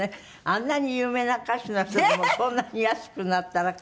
あんなに有名な歌手の人でもこんなに安くなったら買おうとしてるって。